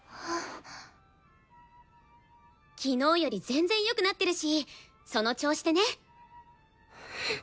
昨日より全然よくなってるしその調子でね。